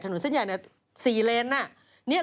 ถนนเส้นใหญ่เนี่ย๔เลนนะ